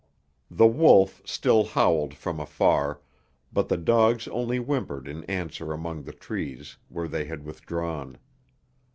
The wolf still howled from afar, but the dogs only whimpered in answer among the trees, where they had withdrawn.